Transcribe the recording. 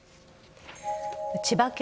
千葉県